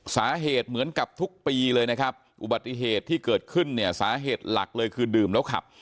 สาเหตุเหมือนกับทุกปีเลยนะครับอุบัติเหตุที่เกิดขึ้นเนี่ยสาเหตุหลักเลยคือดื่มแล้วขับ